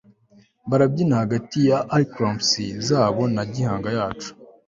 barabyina hagati ya arclamps zabo na gihanga yacu